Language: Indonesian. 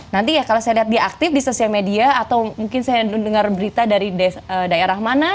nanti ya kalau saya lihat dia aktif di sosial media atau mungkin saya dengar berita dari daerah mana